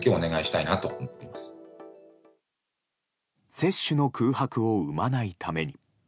接種の空白を生まないために。